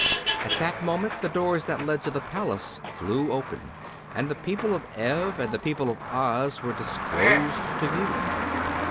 At that moment the doors that led to the palace flew open and the people of Ev and the people of Oz were disclosed to view.